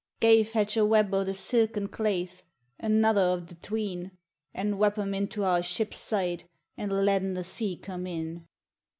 'Gae, fetch a web o' the silken claith, Another o' the twine, And wap them into our ship's side, And letna the sea come in.'